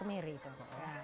kami menempatkan air kemiri